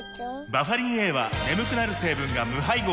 バファリンＡは眠くなる成分が無配合なんです